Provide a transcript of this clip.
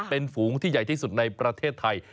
เป็นฝูงที่ใหญ่ที่สุดในประเทศไทย